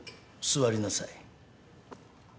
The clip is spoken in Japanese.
座りなさい。